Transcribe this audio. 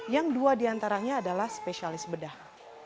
yang dua diantaranya adalah spesialis bedah